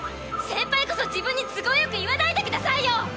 センパイこそ自分に都合よく言わないでくださいよ！